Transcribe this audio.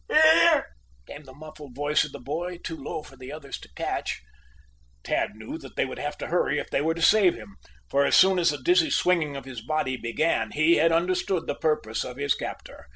"Here!" came the muffled voice of the boy, too low for the others to catch. Tad knew that they would have to hurry if they were to save him, for as soon as the dizzy swinging of his body began he had understood the purpose of his captor.